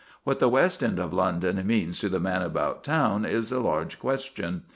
What the West End of London means to the man about town is a large question.